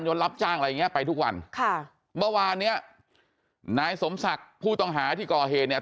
รับจ้างอะไรอย่างเงี้ไปทุกวันค่ะเมื่อวานเนี้ยนายสมศักดิ์ผู้ต้องหาที่ก่อเหตุเนี่ย